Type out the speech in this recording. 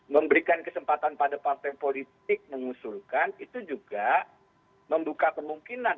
memberikan kesempatan pada partai politik mengusulkan itu juga membuka kemungkinan